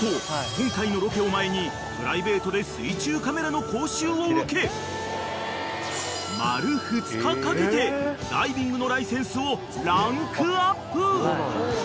今回のロケを前にプライベートで水中カメラの講習を受け丸２日かけてダイビングのライセンスをランクアップ］